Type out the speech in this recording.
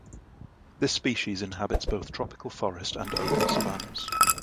This species inhabits both tropical forest and open savannas.